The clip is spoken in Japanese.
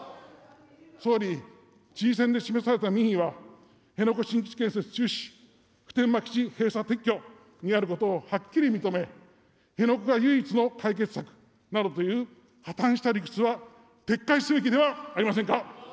総理、知事選で示された民意は、辺野古新基地建設中止、普天間基地閉鎖撤去にあることをはっきり認め、辺野古が唯一の解決策などという破綻した理屈は、撤回すべきではありませんか。